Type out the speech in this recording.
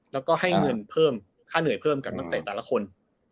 แล้วก็ให้เงินเพิ่มค่าเหนื่อยเพิ่มกับนักเตะแต่ละคน